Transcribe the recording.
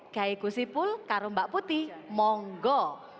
kaya gusipul karun mbak putih monggo